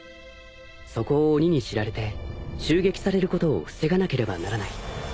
［そこを鬼に知られて襲撃されることを防がなければならない］